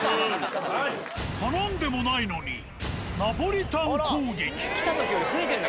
頼んでもないのにナポリタン攻撃。